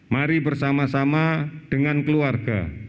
mari bersama sama dengan keluarga